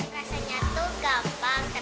rasanya tuh gampang tapi agak agak susah